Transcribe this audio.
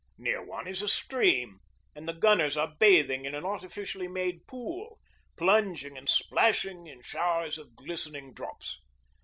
Near one is a stream, and the gunners are bathing in an artificially made pool, plunging and splashing in showers of glistening drops.